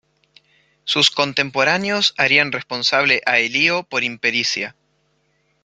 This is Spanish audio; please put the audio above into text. Sus contemporáneos harían responsable a Elío por impericia.